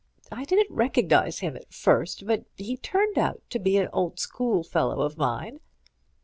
I didn't recognize him at first, but he turned out to be an old schoolfellow of mine."